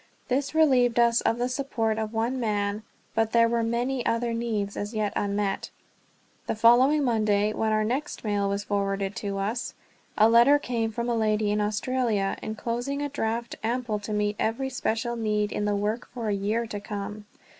This relieved us of the support of one man, but there were many other needs as yet unmet. The following Monday, when our next mail was forwarded to us, a letter came from a lady in Australia, enclosing a draft ample to meet every special need in the work for a year to come.